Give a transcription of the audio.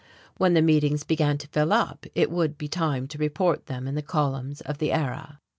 When the meetings began to fill up it would be time to report them in the columns of the Era.